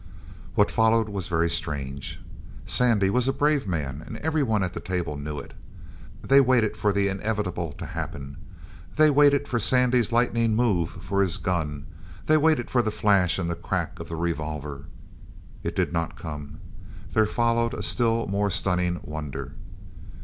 What followed was very strange. Sandy was a brave man and everyone at that table knew it. They waited for the inevitable to happen. They waited for Sandy's lightning move for his gun. They waited for the flash and the crack of the revolver. It did not come. There followed a still more stunning wonder.